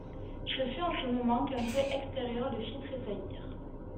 Ce fut en ce moment qu'un bruit extérieur le fit tressaillir.